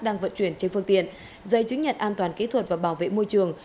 đang vận chuyển trên phương tiện giấy chứng nhận an toàn kỹ thuật và bảo vệ môi trường